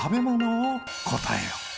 を答えよ。